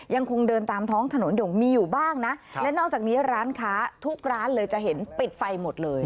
ยังคงเดินตามท้องถนนอยู่มีอยู่บ้างนะและนอกจากนี้ร้านค้าทุกร้านเลยจะเห็นปิดไฟหมดเลย